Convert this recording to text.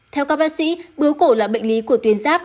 theo các bác sĩ bướu cổ là bệnh lý của tuyến giáp